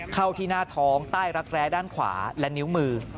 เข้าที่หน้าท้องใต้รักแร้ด้านขวาและนิ้วมือ